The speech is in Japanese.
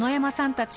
たち